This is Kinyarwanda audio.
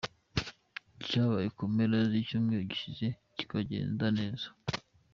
cyabaye mu mpera zicyumweru gishize kikagenda neza.